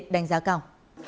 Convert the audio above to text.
đánh giá cao